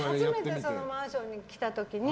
初めてマンションに来た時に